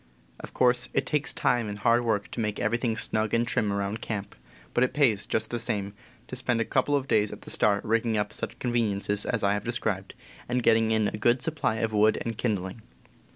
THE CAMP 81 Of course, it takes time and hard work to make everything snug and trim around camp; but it pays, just the same, to spend a couple of days at the start in rigging up such conveniences as I have described, and getting in a good supply of wood and kindling.